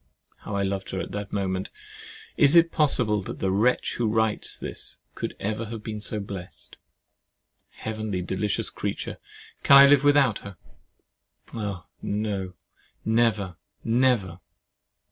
How I loved her at that moment! Is it possible that the wretch who writes this could ever have been so blest! Heavenly delicious creature! Can I live without her? Oh! no—never—never.